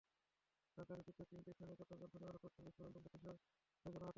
রাজধানীর পৃথক তিনটি স্থানে গতকাল শনিবার ককটেল বিস্ফোরণে দম্পতিসহ ছয়জন আহত হয়েছেন।